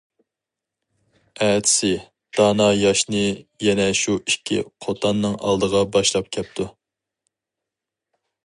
ئەتىسى دانا ياشنى يەنە شۇ ئىككى قوتاننىڭ ئالدىغا باشلاپ كەپتۇ.